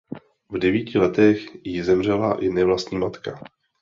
V devíti letech jí zemřela i nevlastní matka.